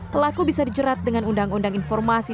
pelaku bisa dijerat dengan undang undang informasi